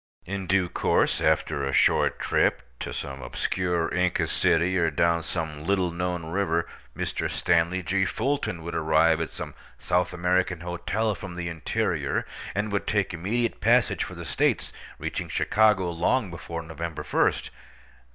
In due course, after a short trip to some obscure Inca city, or down some little known river, Mr. Stanley G. Fulton would arrive at some South American hotel from the interior, and would take immediate passage for the States, reaching Chicago long before November first.